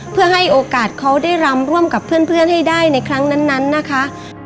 เพื่อให้โอกาสเขาได้รำร่วมกับเพื่อนให้ได้ในครั้งนั้นนะคะ